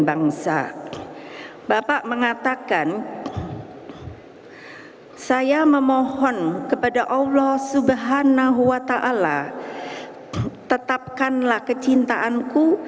bangsa bapak mengatakan saya memohon kepada allah swt tetapkanlah kecintaanku